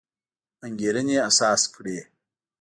انګېرنې اساس کړی.